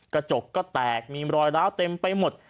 กระจกก็แตกมีรอยล้าวเต็มไปหมด